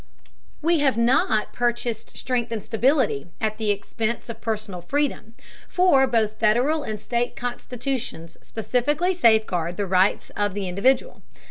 We have not purchased strength and stability at the expense of personal freedom, for both Federal and state constitutions specifically safeguard the rights of the individual.